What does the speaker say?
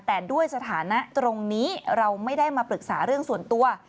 แต่ด้วยสถานะตรงนี้เราไม่ได้มาปรึกษาเรื่องส่วนตัว